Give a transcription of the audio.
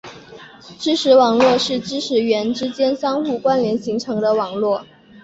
知识网络是知识元之间相互关联形成的网络。